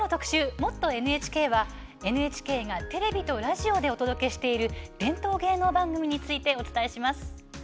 「もっとＮＨＫ」はＮＨＫがテレビとラジオでお届けしている伝統芸能番組についてお伝えします。